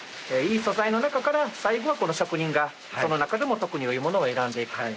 いい素材の中から最後はこの職人がその中でも特に良いものを選んでいく。